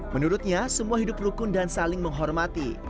menurutnya semua hidup rukun dan saling menghormati